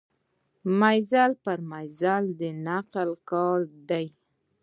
مزل پر مزل د نقل کار دی.